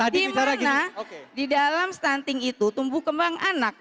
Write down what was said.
di mana di dalam stunting itu tumbuh kembang anak